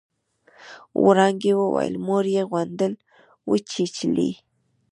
وړانګې وويل مور يې غونډل وچېچلې.